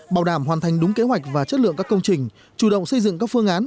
bảo đảm hoàn thành đúng kế hoạch và chất lượng các công trình chủ động xây dựng các phương án